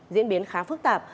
diễn biến khá phức tạp